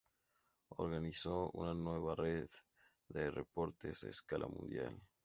Organizó una nueva red de reporteros a escala mundial.